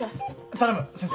頼む先生。